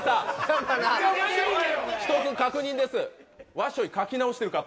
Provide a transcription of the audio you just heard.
わっしょい書き直してるよ。